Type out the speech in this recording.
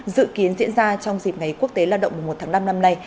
dự kiến diễn ra trong dịp ngày quốc tế lao động mùa một tháng năm năm nay